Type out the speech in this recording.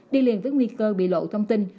đi liền với nguy cơ bị lộ thông tin